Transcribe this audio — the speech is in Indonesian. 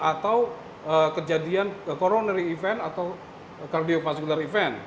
atau kejadian event koronasi atau event kardiokaskular